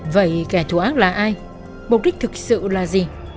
vậy kẻ thù ác là ai mục đích thực sự là gì